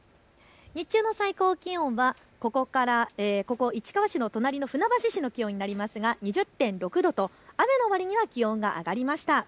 日中の最高気温はここ市川市の隣の船橋市の気温になりますが２０．６度と雨のわりには気温が上がりました。